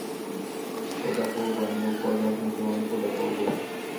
国家博物馆是由国家进行维护的博物馆。